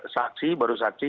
saksi baru saksi